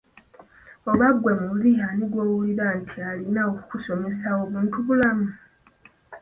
Oba ggwe muli ani gwowulira nti yalina okukusomesa obuntu bulamu?